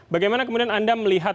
bagaimana kemudian anda melihat